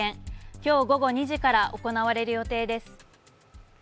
今日午後２時から行われる予定です。